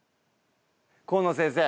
河野先生